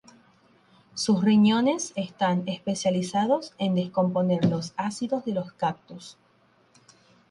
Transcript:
Sus riñones están especializados en descomponer los ácidos de los cactus.